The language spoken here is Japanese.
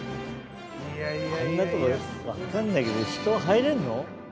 あんなとこわかんないけど人が入れるの？